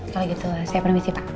kalau gitu saya permisi pak